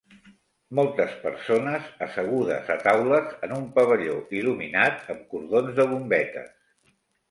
Moltes persones assegudes a taules en un pavelló il·luminat amb cordons de bombetes.